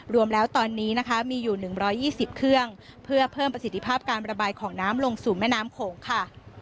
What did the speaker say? รวมแล้วตอนนี้นะคะมีอยู่๑๒๐เครื่องเพื่อเพิ่มประสิทธิภาพการระบายของน้ำลงสู่แม่น้ำโขงค่ะ